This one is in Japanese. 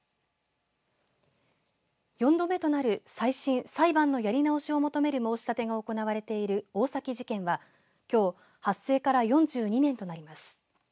４度目となる再審、裁判のやり直しを求める申し立てが行われている大崎事件はきょう発生から４２年となります。